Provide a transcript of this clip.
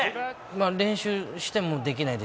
まあ、練習してもできないで